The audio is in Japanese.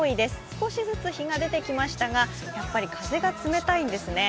少しずつ日が出てきましたが風が冷たいんですね。